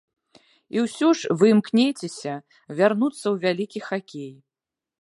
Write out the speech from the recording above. І ўсё ж вы імкнецеся вярнуцца ў вялікі хакей.